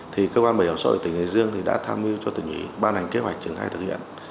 thì cơ quan bảo hiểm xã hội tỉnh nghị dương đã tham mưu cho tỉnh nghị ban hành kế hoạch truyền khai thực hiện